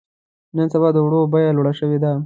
نن سبا د وړو بيه لوړه شوې ده.